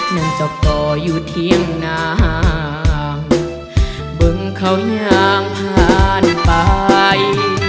นั่นเจ้าก็อยู่เที่ยงน้ำเบิ้งเขายังผ่านไป